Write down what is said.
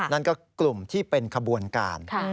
นั่นก็กลุ่มที่เป็นขบวนการ